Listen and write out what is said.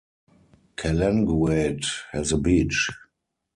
Calanguate has a beach.